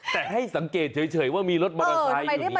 แต่ให้สังเกตเฉยว่ามีรถมอเตอร์ไซค์อยู่นี้